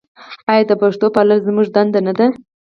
آیا د پښتو پالل زموږ دنده نه ده؟